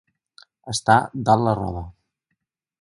Estar dalt la roda.